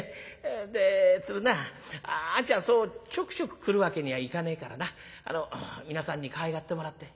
で鶴なあんちゃんそうちょくちょく来るわけにはいかねえからな皆さんにかわいがってもらって。